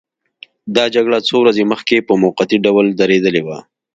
دا جګړه څو ورځې مخکې په موقتي ډول درېدلې وه.